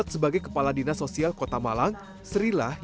semuanya kita kasih